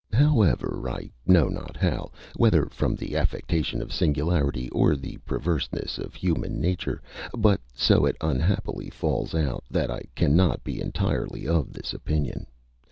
However, I know not how, whether from the affectation of singularity, or the perverseness of human nature, but so it unhappily falls out, that I cannot be entirely of this opinion.